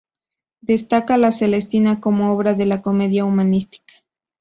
Destaca La Celestina como obra de la comedia humanística.